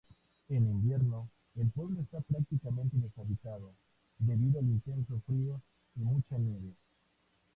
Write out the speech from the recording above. En invierno, el pueblo está prácticamente deshabitado debido al intenso frío y mucha nieve.